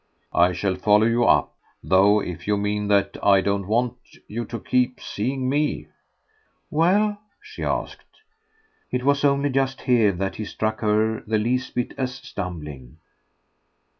"I shall follow you up; though if you mean that I don't want you to keep seeing ME " "Well?" she asked. It was only just here that he struck her the least bit as stumbling.